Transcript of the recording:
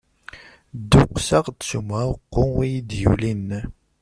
Dduqseɣ-d s umɛuqqu iyi-d-yulin.